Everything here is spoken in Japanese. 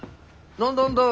何だあんだ